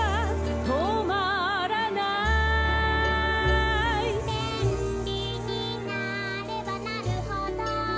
「とまらない」「便利になればなるほど」